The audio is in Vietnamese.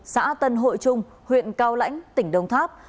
xã tân hội trung huyện cao lãnh tỉnh đồng tháp